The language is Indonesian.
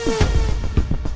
saya mau ke rumah